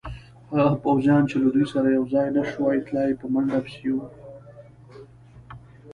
هغه پوځیان چې له دوی سره یوځای نه شوای تلای، په منډه پسې وو.